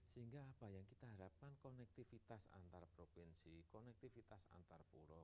sehingga apa yang kita harapkan konektivitas antar provinsi konektivitas antar pulau